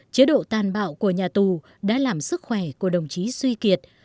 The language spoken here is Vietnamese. chế độ tan bạo của nhà tù đã làm sức khỏe của đồng chí suy kiệt